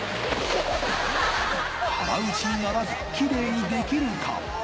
腹打ちにならずキレイにできるか。